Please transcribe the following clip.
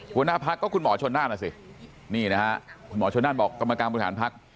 หัวหน้าพักก็คุณหมอชนนั่นน่ะสินี่นะฮะคุณหมอชนนั่นบอกกรรมการบริหารพัก